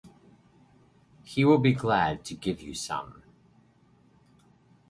He will be glad to give you some.